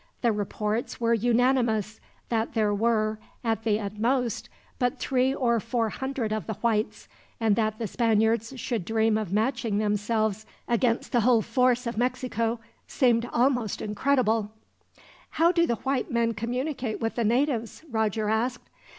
The reports were unanimous that there were, at the utmost, but three or four hundred of the Whites; and that the Spaniards should dream of matching themselves against the whole force of Mexico, seemed almost incredible. "How do the white men communicate with the natives?" Roger asked.